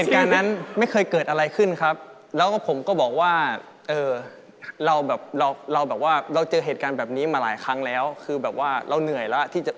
ผมสามารถพูดถามคุณนี้